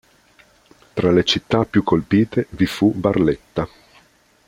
Tra le città più colpite vi fu Barletta.